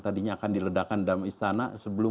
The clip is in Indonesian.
tadinya akan diledakan dalam istana sebelum